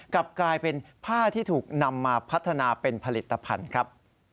กลับกลายเป็นผ้าที่ถูกนำมาพัฒนาเป็นผลิตภัณฑ์ครับ